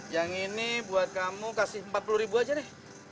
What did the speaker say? yang ini buat kamu kasih empat puluh ribu aja deh